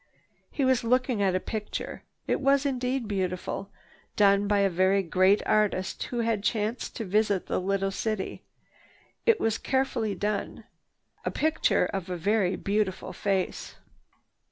He was looking at a picture. It was indeed beautiful. Done by a very great artist who had chanced to visit the little city, it was carefully done,—a picture of a very beautiful face.